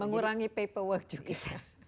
mengurangi paperwork juga